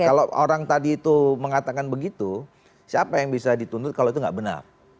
kalau orang tadi itu mengatakan begitu siapa yang bisa dituntut kalau itu nggak benar